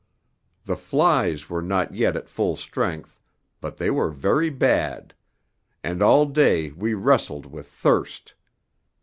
The flies were not yet at full strength, but they were very bad; and all day we wrestled with thirst.